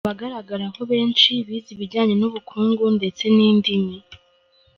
Abagaragaraho benshi bize ibijyanye n’ubukungu ndetse n’indimi.